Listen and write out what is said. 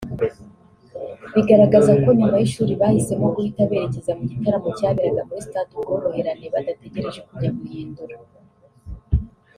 bigaragaza ko nyuma y’ishuri bahisemo guhita berekeza mu gitaramo cyaberaga muri Stade Ubworoherane badategereje kujya guhindura